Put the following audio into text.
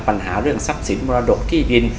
ปัญหาเรื่องทรัพย์สินมรดกที่ดิน